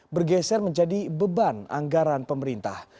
bergeser menjadi beban anggaran pemerintah